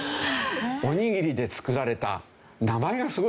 おにぎりで作られた。